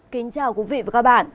kính chào quý vị và các bạn